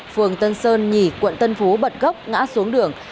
phường tân sơn nhì quận tân phú bật gốc ngã xuống đường